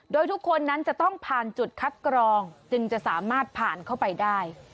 โดยทุกคนนั้นจะต้องผ่านจุดคัดกรองจึงจะสามารถผ่านเข้าไปได้